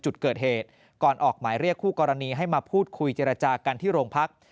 จุดเกิดเหตุก่อนออกหมายเรียกคู่กรณีให้มาพูดคุยเจรจากันที่โรงพัก